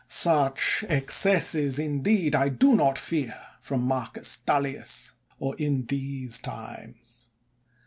Such excesses, indeed, I do not fear from Mar cus TuUius, or in these times.